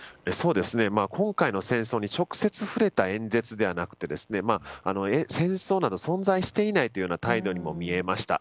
今回の戦争に直接触れた演説ではなくて戦争など存在していないというような態度にも見えました。